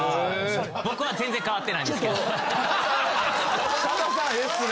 僕は全然変わってないんですけど。